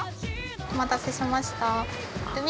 お待たせしました。